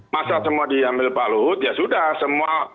masa semua diambil pak luhut ya sudah semua